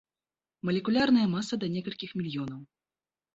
Малекулярная маса да некалькіх мільёнаў.